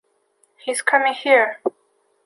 He’s coming here.